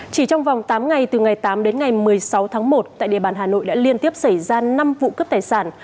chỉ trong vòng tám ngày từ ngày tám đến ngày một mươi sáu tháng một tại địa bàn hà nội đã liên tiếp xảy ra năm vụ cướp tài sản